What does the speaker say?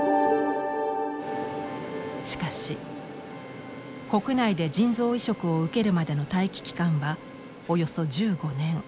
しかし国内で腎臓移植を受けるまでの待機期間はおよそ１５年。